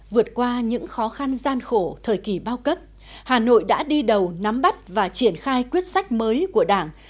vượt qua những khó khăn gian khổ thời kỳ bao cấp hà nội đã đi đầu nắm bắt và triển khai quyết sách mới của đảng